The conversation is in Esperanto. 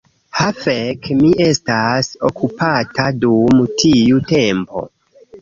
"Ha fek' mi estas okupata dum tiu tempo"